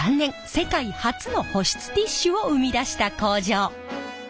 世界初の保湿ティッシュを生み出した工場！